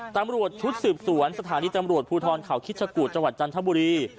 ตำรวจชุดสืบสวนสถานีตำรวจภูทรเขาคิดชะกูดจังหวัดจันทบุรี